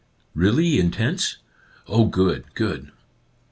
Really in tents? Oh, good, good!"